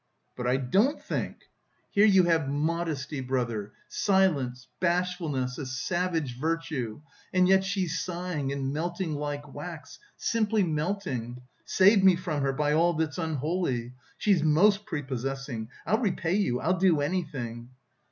"But I don't think!" "Here you have modesty, brother, silence, bashfulness, a savage virtue... and yet she's sighing and melting like wax, simply melting! Save me from her, by all that's unholy! She's most prepossessing... I'll repay you, I'll do anything...."